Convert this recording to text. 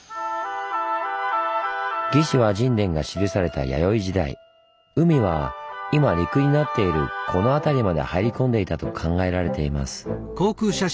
「魏志倭人伝」が記された弥生時代海は今陸になっているこの辺りまで入り込んでいたと考えられています。